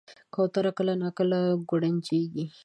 کوتره کله ناکله ګورجنیږي.